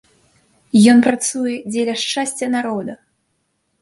Ён працуе дзеля шчасця народа.